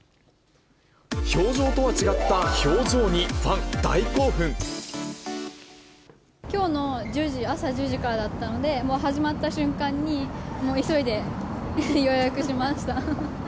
氷上とは違った表情にファンきょうの１０時、朝１０時からだったので、もう始まった瞬間に、急いで予約しました。